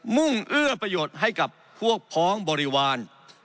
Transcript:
มุ่งเอื้อประโยชน์ให้กับพวกพ้องบริวาร